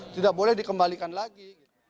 tidak boleh dikembalikan lagi